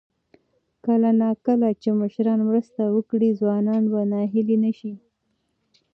کله نا کله چې مشران مرسته وکړي، ځوانان به ناهیلي نه شي.